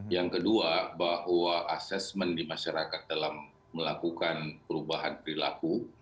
yang kedua bahwa asesmen di masyarakat dalam melakukan perubahan perilaku